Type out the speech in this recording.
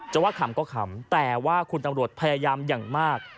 ว่าขำก็ขำแต่ว่าคุณตำรวจพยายามอย่างมาก